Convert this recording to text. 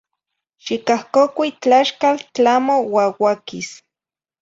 Xicahcocui tlaxcal tlamo uauaquis.